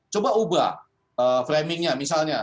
coba ubah framingnya misalnya